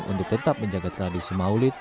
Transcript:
untuk tetap menjaga tradisi maulid